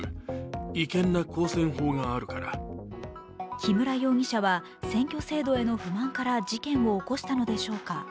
木村容疑者は選挙制度への不満から事件を起こしたのでしょうか。